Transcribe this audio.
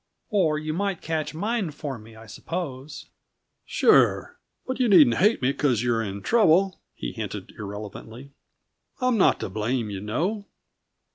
"Or you might catch mine for me, I suppose." "Sure. But you needn't hate me because you're in trouble," he hinted irrelevantly. "I'm not to blame, you know."